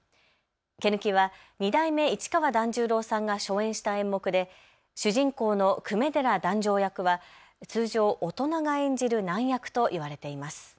毛抜は二代目市川團十郎さんが初演した演目で主人公の粂寺弾正役は通常大人が演じる難役と言われています。